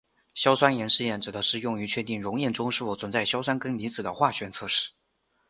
硝酸盐试验指的是用于确定溶液中是否存在硝酸根离子的化学测试。